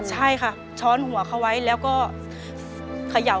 เปลี่ยนเพลงเพลงเก่งของคุณและข้ามผิดได้๑คำ